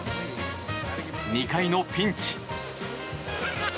２回のピンチ。